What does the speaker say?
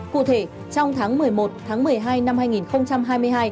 cụ thể trong tháng một mươi một tháng một mươi hai năm hai nghìn hai mươi hai